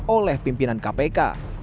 oleh pimpinan kpk